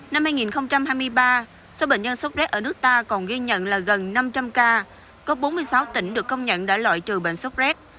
năm hai nghìn hai mươi ba số bệnh nhân sốc rét ở nước ta còn ghi nhận là gần năm trăm linh ca có bốn mươi sáu tỉnh được công nhận đã loại trừ bệnh sốc rét